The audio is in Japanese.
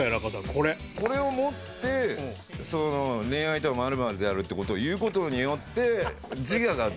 これを持って「恋愛とは○○である」って事を言う事によって。